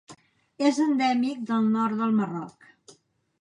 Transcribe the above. És endèmic del nord del Marroc.